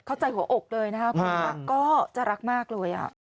เข้าใจหัวอกเลยนะครับคุณผู้ชมก็จะรักมากเลย